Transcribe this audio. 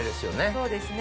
そうですね。